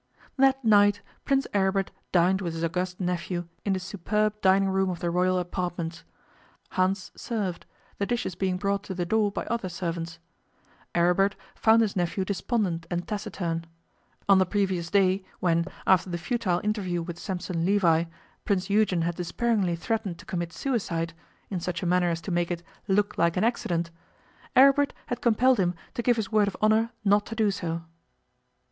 That night Prince Aribert dined with his august nephew in the superb dining room of the Royal apartments. Hans served, the dishes being brought to the door by other servants. Aribert found his nephew despondent and taciturn. On the previous day, when, after the futile interview with Sampson Levi, Prince Eugen had despairingly threatened to commit suicide, in such a manner as to make it 'look like an accident', Aribert had compelled him to give his word of honour not to do so.